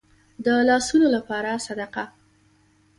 د لاسونو لپاره صدقه.